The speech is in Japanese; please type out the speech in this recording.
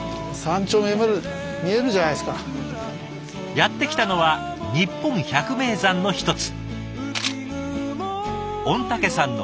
やって来たのは日本百名山の一つ御嶽山の７合目。